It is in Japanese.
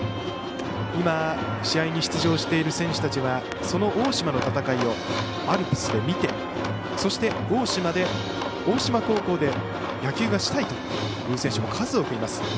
今、試合に出場している選手たちはその大島の戦いをアルプスで見てそして、大島高校で野球がしたいという選手も数多くいます。